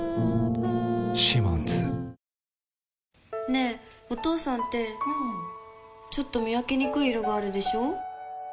ねぇ、お父さんってうんちょっと見分けにくい色があるでしょ。